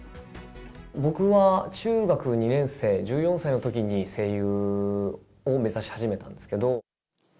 僕は中学２年生、１４歳のときに声優を目指し始めたんですけど。